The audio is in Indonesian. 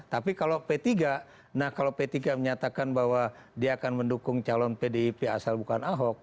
tapi kalau p tiga nah kalau p tiga menyatakan bahwa dia akan mendukung calon pdip asal bukan ahok